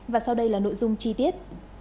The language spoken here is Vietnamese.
và sau đây là nội dung chi tiết